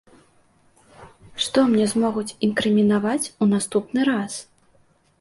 Што мне змогуць інкрымінаваць у наступны раз?